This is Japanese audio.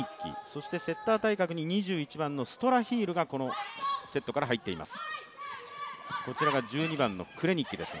そしてセッター対角に２１番のストラヒールがこのセットから入っています。